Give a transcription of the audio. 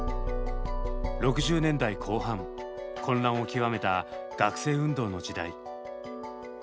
６０年代後半混乱を極めた学生運動の時代。